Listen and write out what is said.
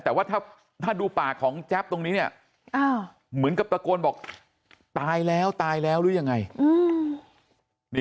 แต่ว่าถ้าดูปากของแจ๊บตรงนี้เนี่ยเหมือนกับตะโกนบอกตายแล้วตายแล้วหรือยังไง